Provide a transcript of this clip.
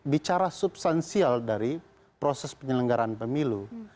bicara substansial dari proses penyelenggaraan pemilu